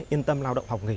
yên tâm lao động học nghề